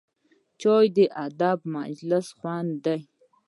چای د ادبي مجلس خوند دی